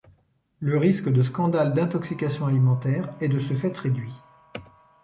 Le risque de scandales d’intoxication alimentaire est de ce fait réduit.